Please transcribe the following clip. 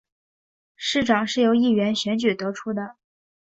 市长是由议员选举得出的。